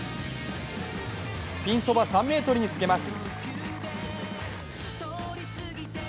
ピンそば３ｍにつけます。